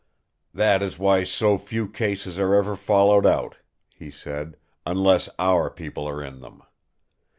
"That is why so few cases are ever followed out," he said, "unless our people are in them.